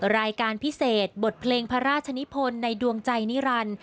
รายการพิเศษบทเพลงพระราชนิพลในดวงใจนิรันดิ์